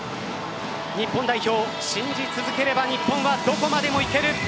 日本代表信じ続ければ日本はどこまでも行ける。